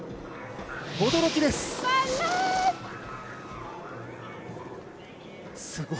驚きです。